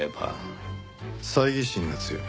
猜疑心が強い。